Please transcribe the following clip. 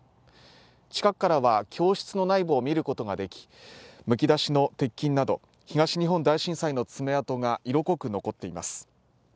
近くからは教室の内部を見ることができ、むき出しの鉄筋など東日本大震災の爪痕が色濃く残っています。